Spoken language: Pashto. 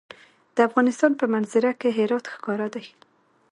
د افغانستان په منظره کې هرات ښکاره دی.